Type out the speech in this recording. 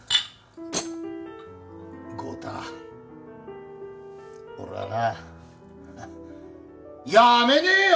豪太俺はな辞めねえよ！